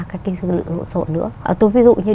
cái kinh sức lượng rộn rộn nữa tôi ví dụ như